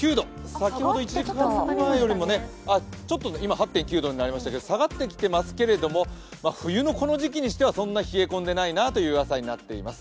先ほど１時間前よりも今、８．９度になりましたが下がってきていますけども、冬のこの時期にしては、そんなに冷え込んでいないなという朝になっています。